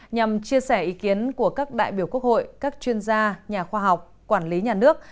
nhằm chia sẻ ý kiến của các đại biểu quốc hội các chuyên gia nhà khoa học quản lý nhà nước